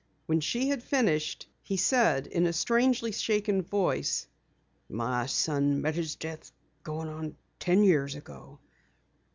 When she had finished he said in a strangely shaken voice: "My son met his death going on ten years ago.